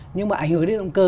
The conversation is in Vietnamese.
nhưng mà ảnh hưởng đến động cơ